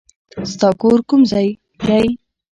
ستا کور کوم ځای دی؟